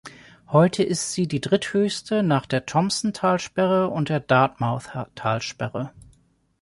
Heute ist sie die dritthöchste nach der Thomson-Talsperre und der Dartmouth-Talsperre.